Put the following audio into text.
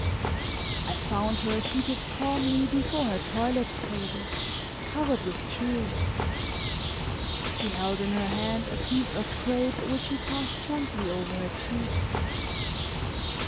I found her seated calmly before her toilet table, covered with jewels; she held in her hand a piece of crepe which she passed gently over her cheeks.